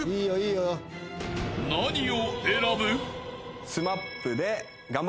［何を選ぶ？］